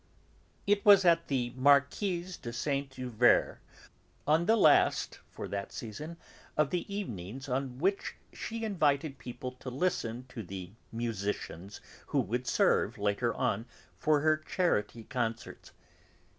It was at the Marquise de Saint Euverte's, on the last, for that season, of the evenings on which she invited people to listen to the musicians who would serve, later on, for her charity concerts.